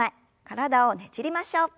体をねじりましょう。